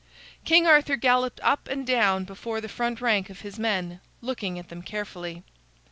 King Arthur galloped up and down before the front rank of his men, looking at them carefully.